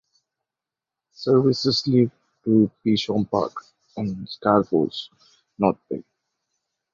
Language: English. Services leave to Peasholm Park in Scarborough's North Bay.